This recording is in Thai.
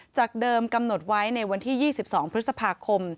จากเดิมกำหนดไว้ในวันที่๒๒พฤษภาคม